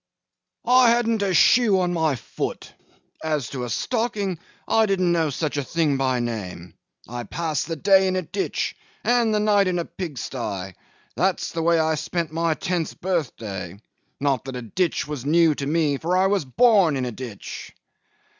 'I hadn't a shoe to my foot. As to a stocking, I didn't know such a thing by name. I passed the day in a ditch, and the night in a pigsty. That's the way I spent my tenth birthday. Not that a ditch was new to me, for I was born in a ditch.